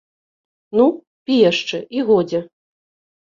Ну, пі яшчэ, і годзе.